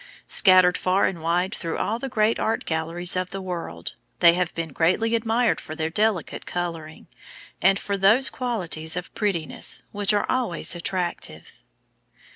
Scattered far and wide through all the great art galleries of the world, they have been greatly admired for their delicate coloring, and for those qualities of prettiness which are always attractive.